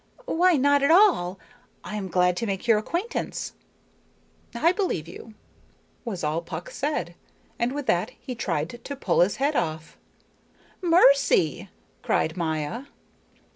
"Why, not at all. I am glad to make your acquaintance." "I believe you," was all Puck said, and with that he tried to pull his head off. "Mercy!" cried Maya.